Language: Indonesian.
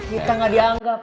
kita gak dianggap